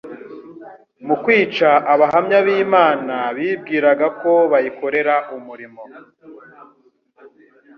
Mu kwica abahamya b'Imana bibwiraga ko bayikorera umurimo.